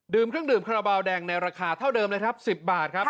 ดื่มเครื่องดื่มขระเบาแดงในราคาเท่าเดิมเลย๑๐บาทครับ